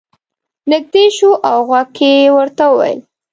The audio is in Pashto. نږدې شو او غوږ کې یې ورته وویل.